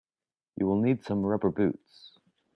You will need some rubber boots.